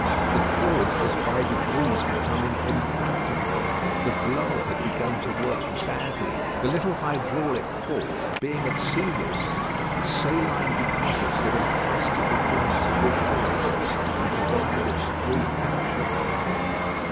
The forge was by degrees becoming impracticable. The blower had begun to work badly. The little hydraulic fall being of sea water, saline deposits had encrusted the joints of the apparatus, and prevented its free action.